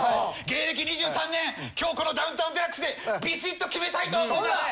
芸歴２３年今日この『ダウンタウンＤＸ』でビシッと決めたいと思います。